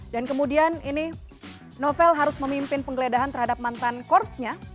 dan kemudian ini novel harus memimpin penggeledahan terhadap mantan korpsnya